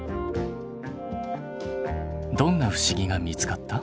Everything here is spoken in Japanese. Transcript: どんな不思議が見つかった？